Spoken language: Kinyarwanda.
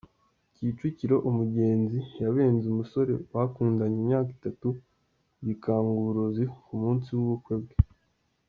Kicukiro: Umugenzi yabenze umusore bakundanye imyaka itatu yikanga uburozi ku munsi w’ ubukwe bwe .